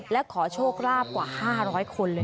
และขอโชคราบกว่า๕๐๐คนเลย